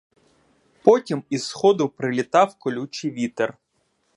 Потім із сходу прилітав колючий вітер.